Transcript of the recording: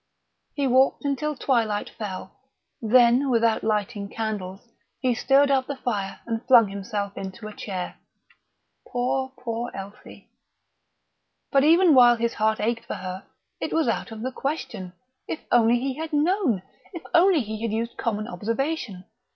He walked until twilight fell, then, without lighting candles, he stirred up the fire and flung himself into a chair. Poor, poor Elsie!... But even while his heart ached for her, it was out of the question. If only he had known! If only he had used common observation!